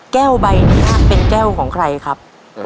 แก้วใบนี้เป็นแก้วของใครครับ